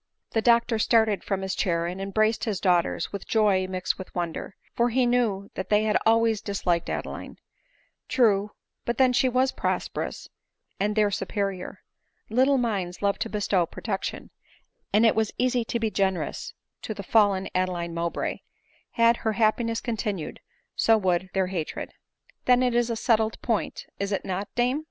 VV The doctor started from his chair and embraced his daughters with joy mixed with wonder; for he knew they had always disliked Adeline. *True; but then she was prosperous, and their superior. Little minds love to bestow protection ; and it was easy to be generous to the fallen Adeline Mowbray ; had her happiness continued, so would their hatred. " Then it is a settled point, is it not dame ?"